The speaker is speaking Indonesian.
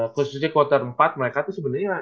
khususnya quarter empat mereka tuh sebenernya